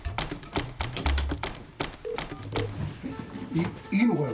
いいいのかよ？